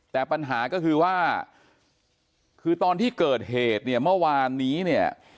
แต่ปัญหาก็คือว่าคือตอนที่เกิดเหตุเนี่ยเมื่อวานนี้เนี่ย